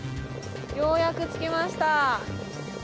ようやく着きました！